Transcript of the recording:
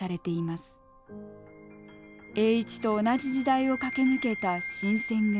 栄一と同じ時代を駆け抜けた新選組。